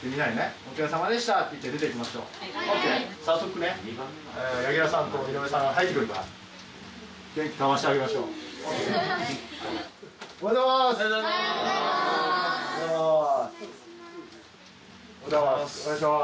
おはようございます。